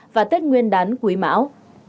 và tết nguyên đán quý mão